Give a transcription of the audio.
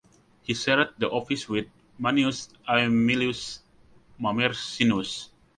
He shared the office with Manius Aemilius Mamercinus.